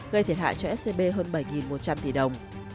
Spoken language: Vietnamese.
gây thiệt hại cho scb hơn bảy một trăm linh tỷ đồng